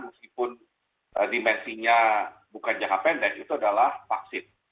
meskipun dimensinya bukan jangka pendek itu adalah vaksin